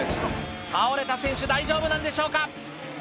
倒れた選手大丈夫なんでしょうか？